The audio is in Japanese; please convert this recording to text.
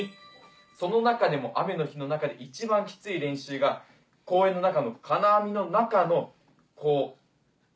その中でも雨の日の中で一番キツい練習が公園の中の金網の中のこう。